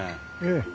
ええ。